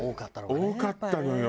多かったのよ。